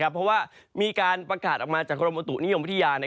เพราะว่ามีการประกาศออกมาจากกรมอุตุนิยมวิทยา